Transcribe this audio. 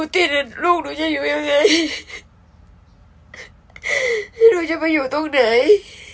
แถล่าหนูจะไปอยู่ตรงไหน